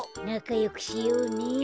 なかよくしようね。